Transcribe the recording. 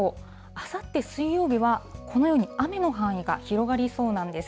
あさって水曜日は、このように雨の範囲が広がりそうなんです。